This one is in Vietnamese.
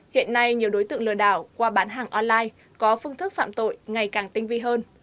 hiện nay nhiều đối tượng lừa đảo qua bán hàng online có phương thức phạm tội ngày càng tinh vi hơn